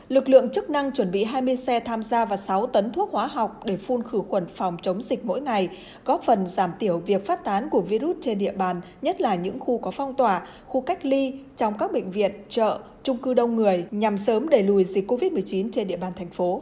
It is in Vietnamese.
lực lượng chức năng chuẩn bị hai mươi xe tham gia và sáu tấn thuốc hóa học để phun khử khuẩn phòng chống dịch mỗi ngày góp phần giảm tiểu việc phát tán của virus trên địa bàn nhất là những khu có phong tỏa khu cách ly trong các bệnh viện chợ trung cư đông người nhằm sớm đẩy lùi dịch covid một mươi chín trên địa bàn thành phố